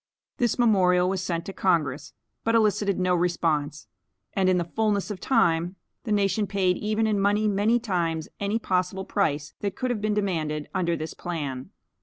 This memorial was sent to Congress, but elicited no response; and in the fulness of time, the nation paid even in money many times any possible price that could have been demanded under this plan.